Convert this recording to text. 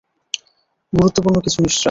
গুরুত্বপূর্ণ কিছু নিশ্চয়।